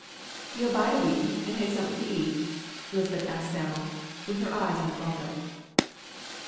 "Yell bide a wee, an' hae something to eat?" Lisbeth asked Sam'l, with her eyes on the goblet.